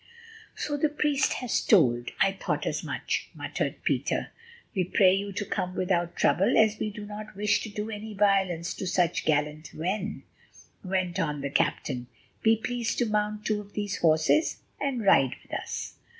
"So the priest has told. I thought as much," muttered Peter. "We pray you to come without trouble, as we do not wish to do any violence to such gallant men," went on the captain. "Be pleased to mount two of these horses, and ride with us."